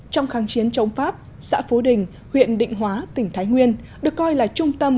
trong kháng chiến chống pháp xã phú đình huyện định hóa tỉnh thái nguyên được coi là trung tâm